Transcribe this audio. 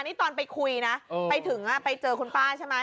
นี่ตอนไปคุยนะไปถึงไปเจอคุณป้าใช่ไหม